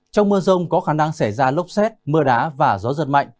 trong mưa rông có khả năng xảy ra lốc xét mưa đá và gió giật mạnh